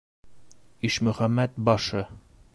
Ишмөхәмәт башы.